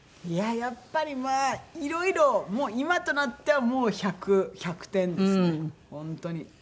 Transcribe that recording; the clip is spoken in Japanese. いややっぱりまあいろいろもう今となってはもう１００１００点ですね本当に。